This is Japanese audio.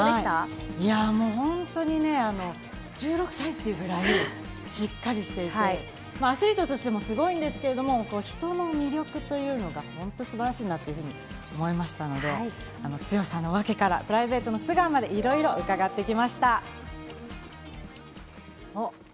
いや、ホントに１６歳？っていうくらいしっかりしていて、アスリートとしてもすごいんですけど、人の魅力というのが本当、素晴らしいなというふうに思いましたので、強さの訳からプライベートの素顔まで、いろいろ伺ってきました。